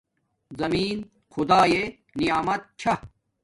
زمین خداݵ نعمیت چھا